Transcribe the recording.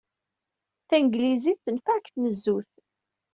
Tanglizit tenfeɛ deg tnezzut.